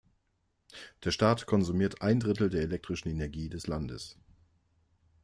Der Staat konsumiert ein Drittel der elektrischen Energie des Landes.